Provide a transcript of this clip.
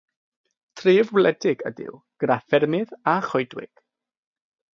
Tref wledig ydyw, gyda ffermydd a choedwig.